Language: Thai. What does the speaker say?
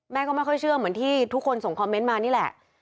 ก็ไม่ค่อยเชื่อเหมือนที่ทุกคนส่งคอมเมนต์มานี่แหละ